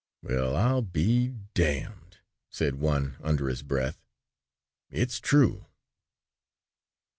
"Well, I'll be damned," said one under his breath, "it's true."